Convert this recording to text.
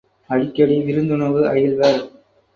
அடிக்கடி விருந்துணவு அயில்வர்.